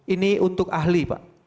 ini untuk ahli pak